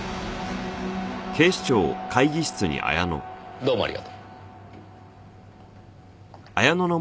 どうもありがとう。